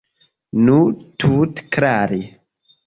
Nu, tute klare.